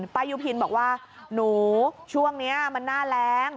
ป้ายุพินบอกว่าหนูช่วงนี้มันหน้าแรง